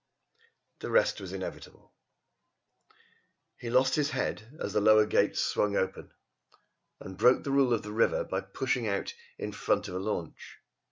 The rest was inevitable. He lost his head as the lower gates swung open, and broke the rule of the river by pushing out in front of a launch.